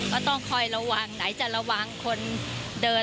ก็ต้องคอยระวังไหนจะระวังคนเดิน